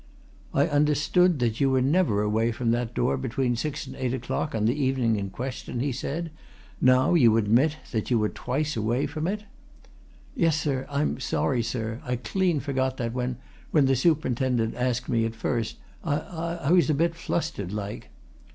"I understood that you were never away from that door between six and eight o'clock on the evening in question?" he said. "Now you admit that you were twice away from it?" "Yes, sir. I'm sorry, sir, I clean forgot that when when the superintendent asked me at first. I I was a bit flustered like."